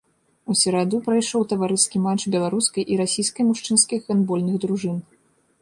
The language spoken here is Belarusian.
У сераду прайшоў таварыскі матч беларускай і расійскай мужчынскіх гандбольных дружын.